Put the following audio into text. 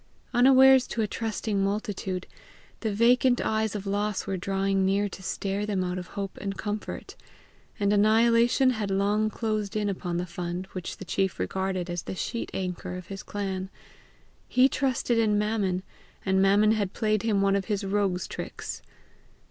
Unawares to a trusting multitude, the vacant eyes of loss were drawing near to stare them out of hope and comfort; and annihilation had long closed in upon the fund which the chief regarded as the sheet anchor of his clan: he trusted in Mammon, and Mammon had played him one of his rogue's tricks.